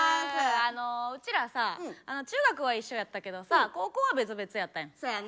うちらさ中学は一緒やったけどさ高校は別々やったやん。